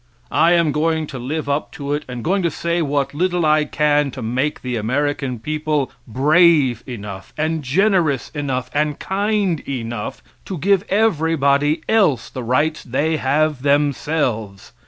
I am going to live up to it and going to say what little I can to make the American people brave enough and generous enough and kind enough to give everybody else the rights they have themselves.